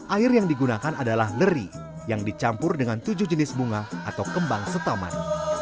air yang digunakan adalah leri yang dicampur dengan tujuh jenis bunga atau kembang setaman